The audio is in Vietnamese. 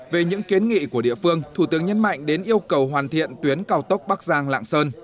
về những kiến nghị của địa phương thủ tướng nhấn mạnh đến yêu cầu hoàn thiện tuyến cao tốc bắc giang lạng sơn